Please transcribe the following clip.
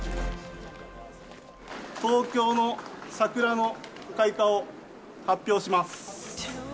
東京の桜の開花を発表します。